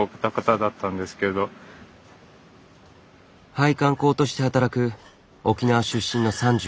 配管工として働く沖縄出身の３４歳。